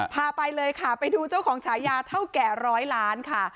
พาไปเลยค่ะไปดูเจ้าของฉายาเท่าแก่ร้อยล้านค่ะ